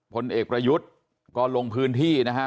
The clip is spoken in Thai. ผลเอกประยุทธ์ก็ลงพื้นที่นะฮะ